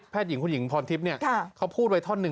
แพทย์หญิงคุณหญิงพรทิพย์เนี่ยเขาพูดไว้ท่อนึง